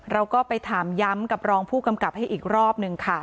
เราก็ไปถามย้ำกับรองผู้กำกับให้อีกรอบหนึ่งค่ะ